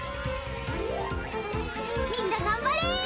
みんながんばれ。